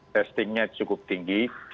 testingnya cukup tinggi